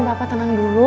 bapak tenang dulu